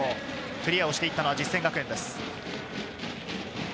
クリアをしたのは実践学園です。